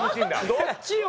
どっちよ！